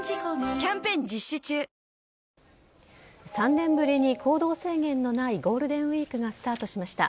３年ぶりに行動制限のないゴールデンウイークがスタートしました。